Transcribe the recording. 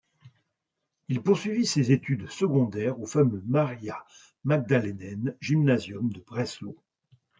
Il poursuivit ses études secondaires au fameux Maria-Magdalenen-Gymnasium de Breslau.